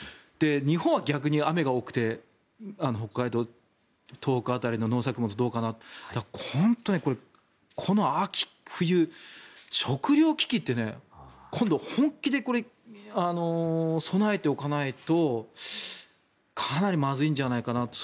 日本は逆に雨が多くて北海道、東北辺りの農作物はどうかな本当にこの秋冬、食糧危機って今度、本気で備えておかないとかなりまずいんじゃないかなと。